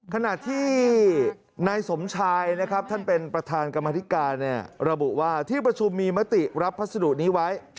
ขณะที่นายสมชายนะครับท่านเป็นประธานกรรมธิการระบุว่าที่ประชุมมีมติรับพัสดุนี้ไว้